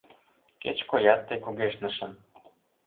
Кеч коят тый кугешнышын